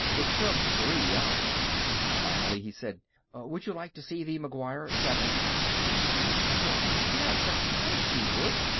It took three hours. Finally, he said, "Would you like to see the McGuire 7?" Why, yes, of course she would.